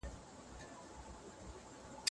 د مینې په ګټه هر ډول دروغ خوندور وي.